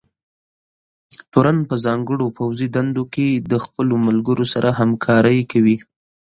تورن په ځانګړو پوځي دندو کې د خپلو ملګرو سره همکارۍ کوي.